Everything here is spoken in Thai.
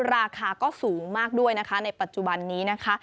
ราคาก็สูงมากด้วยนะคะในปัจจุบันนี้นะคะ